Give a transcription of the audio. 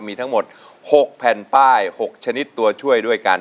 มีทั้งหมด๖แผ่นป้าย๖ชนิดตัวช่วยด้วยกัน